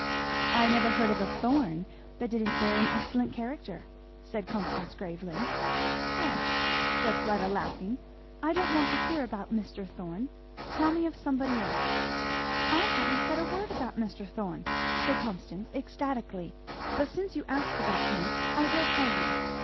"I never heard of a Thorn that didn't bear an excellent character!" said Constance gravely. "Hush!" said Fleda laughing; "I don't want to hear about Mr. Thorn. Tell me of somebody else." "I haven't said a word about Mr. Thorn!" said Constance ecstatically, "but since you ask about him I will tell you.